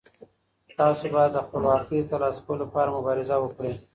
تاسو باید د خپلواکۍ د ترلاسه کولو لپاره مبارزه وکړئ.